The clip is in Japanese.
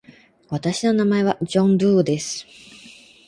私の名前はジョン・ドゥーです。